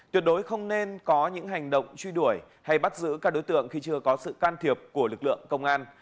tuyệt đối không nên có những hành động truy đuổi hay bắt giữ các đối tượng khi chưa có sự can thiệp của lực lượng công an